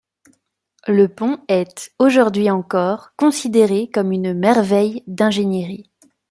Le pont est, aujourd'hui encore, considéré comme une merveille d'ingénierie.